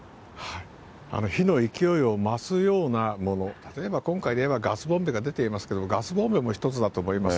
火の勢いを増すようなもの、例えば今回でいえばガスボンベが出ていますけど、ガスボンベも一つだと思います。